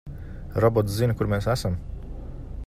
Robots zina, kur mēs esam.